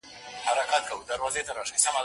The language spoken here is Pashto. هم په لوبو هم په ټال کي پهلوانه